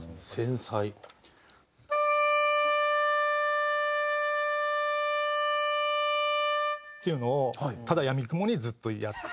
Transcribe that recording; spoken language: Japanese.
繊細。っていうのをただ闇雲にずっとやって。